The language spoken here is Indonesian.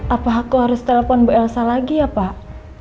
apa aku harus telpon bu elsa lagi ya pak